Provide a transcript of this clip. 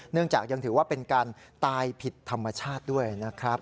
เนื่องจากยังถือว่าเป็นการตายผิดธรรมชาติด้วยนะครับ